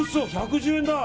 １１０円だ！